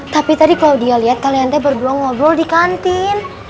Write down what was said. tapi tadi kalau dia lihat kalianta berdua ngobrol di kantin